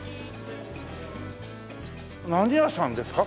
何屋さんですか？